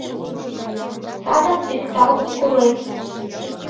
Садак пикталт колем...